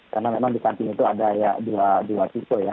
karena memang di kantin itu ada dua kisul ya